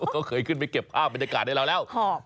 ก็เคยขึ้นไปเก็บภาพบรรยากาศให้เราแล้ว